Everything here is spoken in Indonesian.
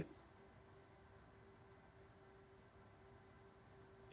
ya mas rassamala masih terhubung bersama kami